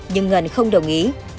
nhưng ngân không đồng ý